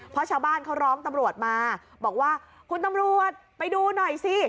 เพราะชาวบ้านเขาร้องตำรวจมาบอกว่าคุณตำรวจไปดูหน่อยสิ